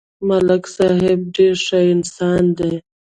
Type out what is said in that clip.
ملک صاحب ډېر ښه انسان دی